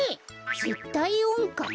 ぜったいおんかん？